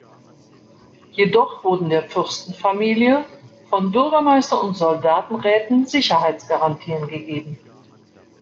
Jedoch wurden der Fürstenfamilie von Bürgermeister und Soldatenräten Sicherheitsgarantien gegeben.